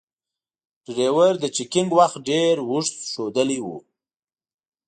ډریور د چکینګ وخت ډیر اوږد ښودلای و.